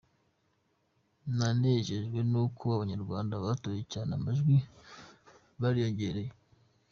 Nanejejwe n’uko Abanyarwanda batoye cyane, amajwi yariyongereye.